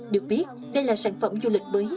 được biết đây là sản phẩm du lịch mới